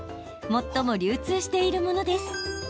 最も流通しているものです。